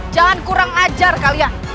jangan kurang ajar kalian